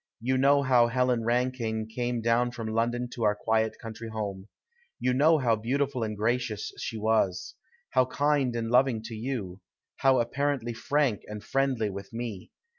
You know how Helen Rankine came down from London to our quiet country home. You know how beautiful and gracious she was. How kind and loving to you; how apparently frank and friendly with me.